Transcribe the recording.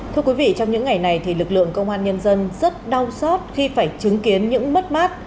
thưa quý vị trong những ngày này thì lực lượng công an nhân dân rất đau xót khi phải chứng kiến những mất mát